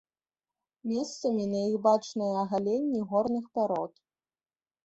Месцамі на іх бачныя агаленні горных парод.